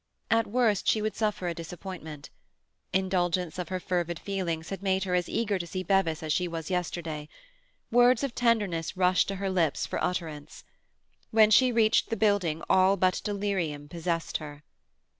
At worst she would suffer a disappointment. Indulgence of her fervid feelings had made her as eager to see Bevis as she was yesterday. Words of tenderness rushed to her lips for utterance. When she reached the building all but delirium possessed her.